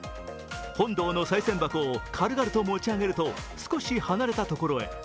本堂のさい銭箱を軽々と持ち上げると、少し離れた所へ。